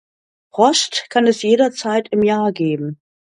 Frost kann es jederzeit im Jahr geben.